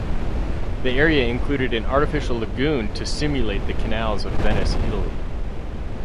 The area included an artificial lagoon to simulate the canals of Venice, Italy.